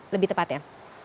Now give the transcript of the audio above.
lebih tepat ya